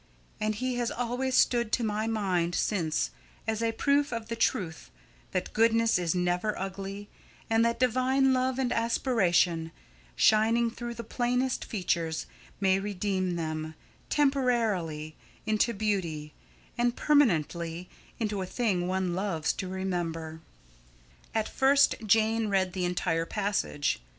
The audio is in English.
And he has always stood to my mind since as a proof of the truth that goodness is never ugly, and that divine love and aspiration, shining through the plainest features, may redeem them, temporarily, into beauty; and permanently, into a thing one loves to remember." At first Jane read the entire passage.